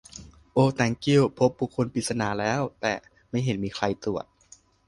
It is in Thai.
โอ แต้งกิ้ว พบบุคคลปริศนาแล้ว แต่ไม่เห็นมีใครตรวจ